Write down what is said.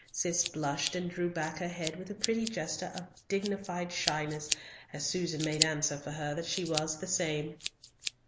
Cis blushed and drew back her head with a pretty gesture of dignified shyness as Susan made answer for her that she was the same.